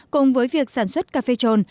cùng với việc sản xuất cà phê trồn